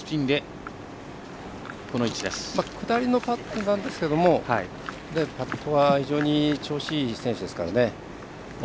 下りのパットなんですけどパットは非常に調子のいい選手ですから。